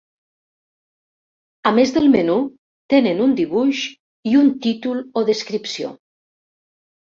A més del menú, tenen un dibuix i un títol o descripció.